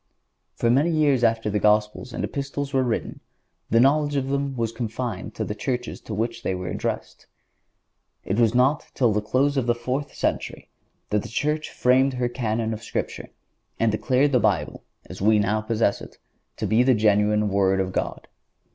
For many years after the Gospels and Epistles were written the knowledge of them was confined to the churches to which they were addressed. It was not till the close of the fourth century that the Church framed her Canon of Scripture and declared the Bible, as we now possess it, to be the genuine Word of God.